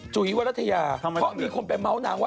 จุ๋ยวรัฐยาเพราะมีคนไปเมาส์นางว่า